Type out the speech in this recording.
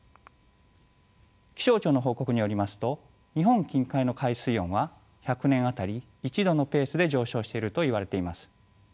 気象庁の報告によりますと日本近海の海水温は１００年当たり１℃のペースで上昇しているといわれています。